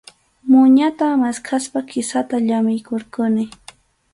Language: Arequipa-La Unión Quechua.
Muñata maskaspa kisata llamiykurquni.